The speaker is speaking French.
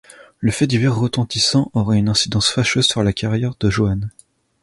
Le fait divers retentissant aura une incidence fâcheuse sur la carrière de Joan.